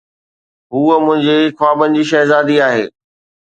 هوءَ منهنجي خوابن جي شهزادي آهي.